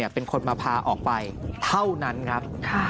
เป็นคนมาพาออกไปเท่านั้นครับ